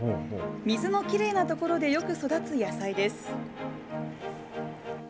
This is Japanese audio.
水のきれいな所でよく育つ野菜です。